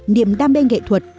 niềm đam mê nghệ thuật